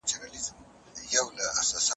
صف سورت دوهم آیت کي الله تعالی فرمايي: «يَا